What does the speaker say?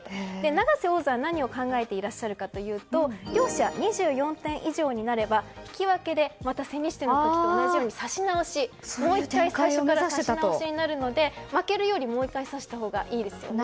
永瀬王座は何を考えていらっしゃるかというと両者２４点以上になれば引き分けで千日手の時と同じように指し直しになるので負けるよりもう１回指したほうがいいですよね。